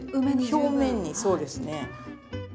表面にそうですね。